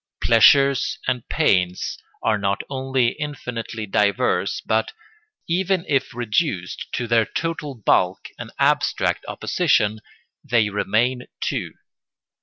Pleasures and pains are not only infinitely diverse but, even if reduced to their total bulk and abstract opposition, they remain two.